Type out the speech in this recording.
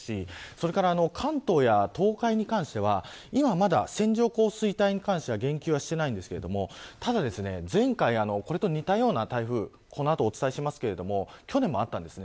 それから関東や東海に関しては今は、まだ線状降水帯に関しては言及をしてませんがただ、前回これと似たような台風この後お伝えしますが去年もあったんです。